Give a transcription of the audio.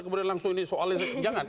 kemudian langsung ini soalnya jangan